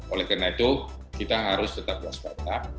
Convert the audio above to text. oleh karena itu kita harus tetap waspada